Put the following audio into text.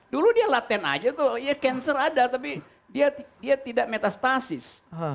dulu dia laten saja cancer ada tapi dia tidak metastasis